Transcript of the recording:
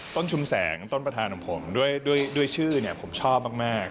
ชุมแสงต้นประธานของผมด้วยชื่อผมชอบมาก